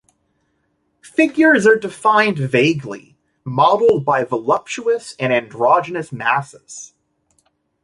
Figures are defined vaguely, modeled by voluptuous and androgynous masses.